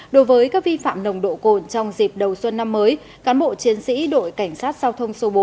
đối với các vi phạm nồng độ cồn trong dịp đầu xuân năm mới cán bộ chiến sĩ đội cảnh sát giao thông số bốn